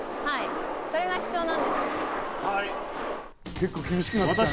結構、厳しくなってきたね。